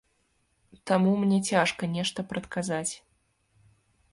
Таму мне цяжка нешта прадказаць.